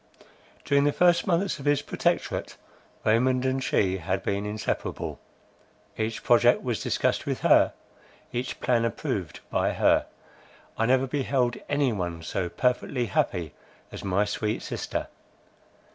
During the first months of his Protectorate, Raymond and she had been inseparable; each project was discussed with her, each plan approved by her. I never beheld any one so perfectly happy as my sweet sister.